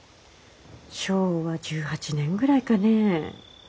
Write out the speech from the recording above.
昭和１８年ぐらいかね。